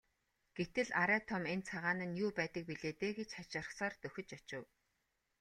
Гэтэл арай том энэ цагаан нь юу байдаг билээ дээ гэж хачирхсаар дөхөж очив.